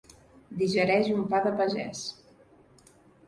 Digereix un pa de pagès.